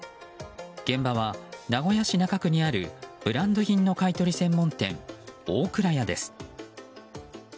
現場は名古屋市中区にあるブランド品の買い取り専門店大蔵屋です。